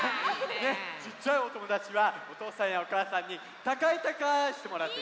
ちっちゃいおともだちはおとうさんやおかあさんにたかいたかいしてもらってね。いいね！